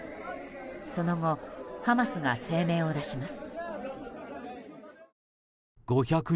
その後ハマスが声明を出します。